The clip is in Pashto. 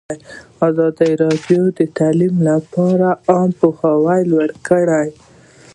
ازادي راډیو د تعلیم لپاره عامه پوهاوي لوړ کړی.